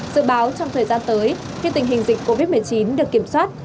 dự báo trong thời gian tới khi tình hình dịch covid một mươi chín được kiểm soát